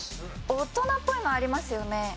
大人っぽいのありますよね。